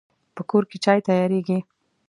په کور کې چای تیاریږي